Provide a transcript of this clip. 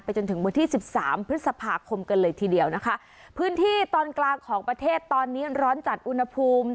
จนถึงวันที่สิบสามพฤษภาคมกันเลยทีเดียวนะคะพื้นที่ตอนกลางของประเทศตอนนี้ร้อนจัดอุณหภูมิ